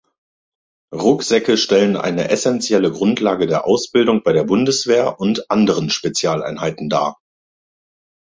Rucksäcke stellen eine essentielle Grundlage der Ausbildung bei der Bundeswehr und anderen Spezialeinheiten dar.